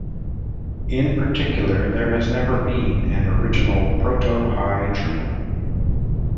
In particular, there has never been an original "Proto-High German".